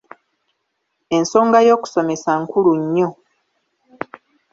Ensonga y’okusomesa nkulu nnyo.